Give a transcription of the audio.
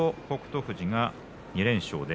富士が２連勝。